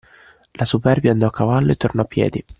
La superbia andò a cavallo e tornò a piedi.